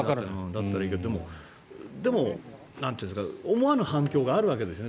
だったらいいけどでも、思わぬ反響があるわけですよね。